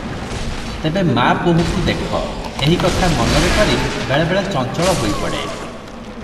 ତେବେ ମା ବୋହୁକୁ ଦେଖୁ, ଏହି କଥା ମନରେ କରି ବେଳେ ବେଳେ ଚଞ୍ଚଳ ହୋଇପଡେ ।